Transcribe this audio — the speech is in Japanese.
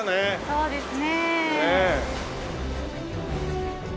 そうですね。